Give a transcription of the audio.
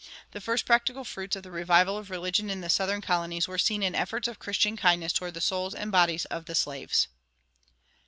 The first practical fruits of the revival of religion in the Southern colonies were seen in efforts of Christian kindness toward the souls and bodies of the slaves.